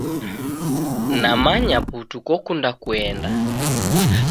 Namanya putu kokunda kuenda